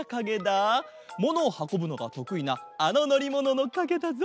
ものをはこぶのがとくいなあののりもののかげだぞ。